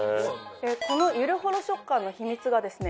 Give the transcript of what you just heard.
このゆるほろ食感の秘密がですね